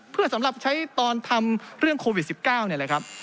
เพื่อสำหรับใช้ตอนทำเรื่องโควิด๑๙นี่แหละครับ